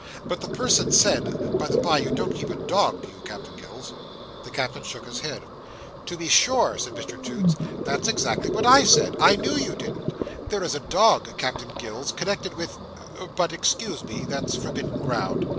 But the person said—by the bye, you don't keep a dog, you, Captain Gills?" The Captain shook his head. "To be sure," said Mr Toots, "that's exactly what I said. I knew you didn't. There is a dog, Captain Gills, connected with—but excuse me. That's forbidden ground."